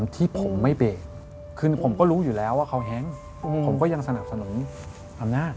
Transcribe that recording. ที่ผมไม่เบรกคือผมก็รู้อยู่แล้วว่าเขาแฮ้งผมก็ยังสนับสนุนอำนาจ